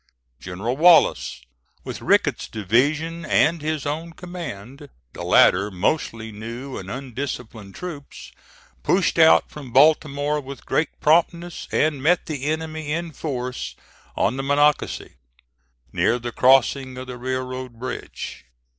General Wallace, with Rickett's division and his own command, the latter mostly new and undisciplined troops, pushed out from Baltimore with great promptness, and met the enemy in force on the Monocacy, near the crossing of the railroad bridge.